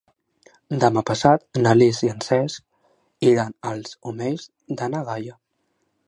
Demà passat na Lis i en Cesc iran als Omells de na Gaia.